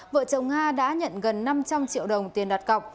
vợ chồng nga đã nhận gần năm trăm linh triệu đồng tiền đặt cọc